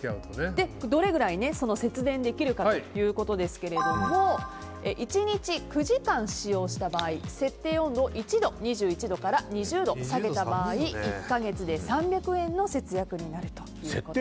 どれくらい節電できるかということですけども１日９時間使用した場合設定温度を１度２１度から２０度に下げた場合に１か月で３００円の設定